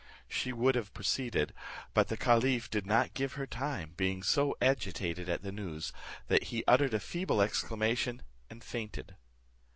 She would have proceeded, but the caliph did not give her time, being so agitated at the news, that he uttered a feeble exclamation, and fainted.